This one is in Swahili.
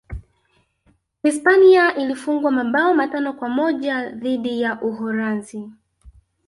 hispania ilifungwa mabao matano kwa moja dhidi ya uholanzi